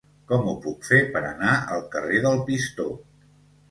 Com ho puc fer per anar al carrer del Pistó?